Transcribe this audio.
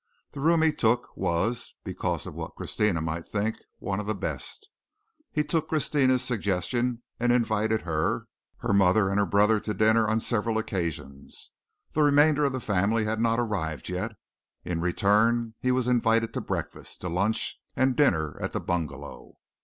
The room he took was because of what Christina might think one of the best. He took Christina's suggestion and invited her, her mother and her brother to dinner on several occasions; the remainder of the family had not arrived yet. In return he was invited to breakfast, to lunch and dinner at the bungalow.